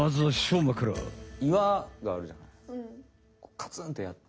カツンとやって。